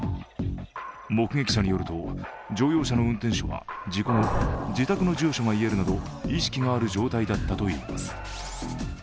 目撃者によると乗用車の運転手は事故後、自宅の住所が言えるなど意識がある状態だったといいます。